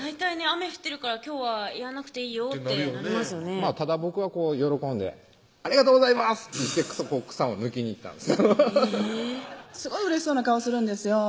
「雨降ってるから今日はやらなくていいよ」ってただ僕は喜んで「ありがとうございます」と言って即行草を抜きに行ったんですアハハハッすごいうれしそうな顔するんですよ